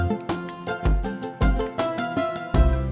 mari kita ke tempat